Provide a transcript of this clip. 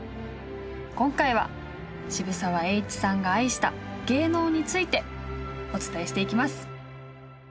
今回は渋沢栄一さんが愛した芸能についてお伝えしていきます。